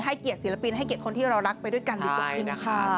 เกียรติศิลปินให้เกียรติคนที่เรารักไปด้วยกันดีกว่าจริงนะคะ